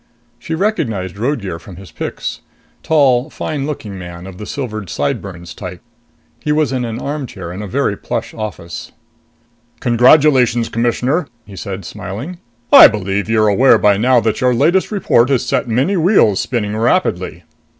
She recognized Roadgear from his pics. Tall, fine looking man of the silvered sideburns type. He was in an armchair in a very plush office. "Congratulations, Commissioner!" he said, smiling. "I believe you're aware by now that your latest report has set many wheels spinning rapidly!"